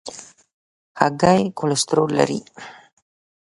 هګۍ کولیسټرول لري.